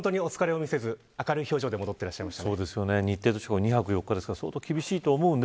本当にお疲れを見せず明るい表情で戻って来ました。